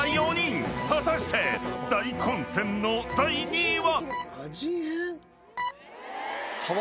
［果たして大混戦の第２位は⁉］